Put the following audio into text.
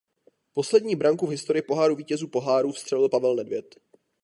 Poslední branku v historii Poháru vítězů pohárů vstřelil Pavel Nedvěd.